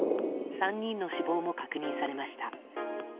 ３人の死亡も確認されました。